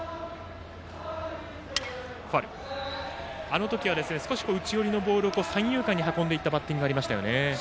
あの時は少し内寄りのボールを三遊間に運んでいったバッティングがありましたね。